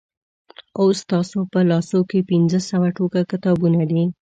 اوس ستاسو په لاسو کې پنځه سوه ټوکه کتابونه دي.